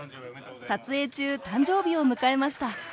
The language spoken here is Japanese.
撮影中誕生日を迎えました。